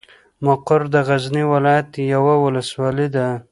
مقر د غزني ولايت یوه ولسوالۍ ده.